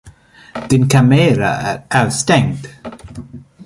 Din kamera är avstängd.